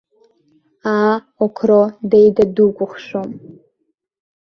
Аа, оқро, деида дукәыхшоуп.